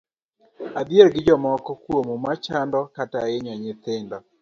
Adhier gi jomoko kuomu machando kata hinyo nyithindo.